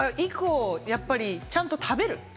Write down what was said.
ちゃんと食べる。